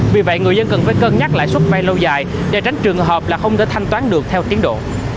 vì vậy người dân cần phải cân nhắc lãi suất may lâu dài để tránh trường hợp là không thể thanh toán được theo tiến độ